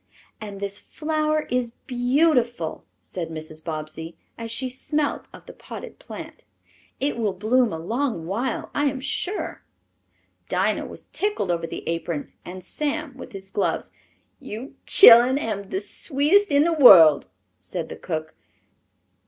"And this flower is beautiful," said Mrs. Bobbsey as she smelt of the potted plant. "It will bloom a long while, I am sure." Dinah was tickled over the apron and Sam with his gloves. "Yo' chillun am the sweetest in de world," said the cook.